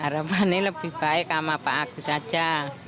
harapannya lebih baik sama pak agus saja